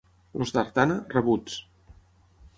Els d'Artana, rabuts.